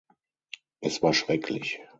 Es war schrecklich.